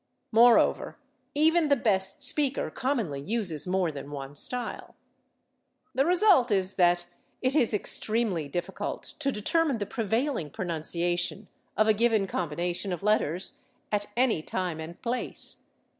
Moreover, "even the best speaker commonly uses more than one style." The result is that it is extremely difficult to determine the prevailing pronunciation of a given combination of letters at any time and place.